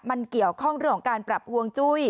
มันเกี่ยวข้องเรื่องของการปรับฮวงจุ้ย